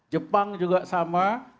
jepang juga sama